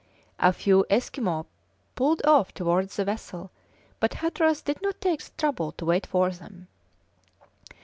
A few Esquimaux pulled off towards the vessel, but Hatteras did not take the trouble to wait for them.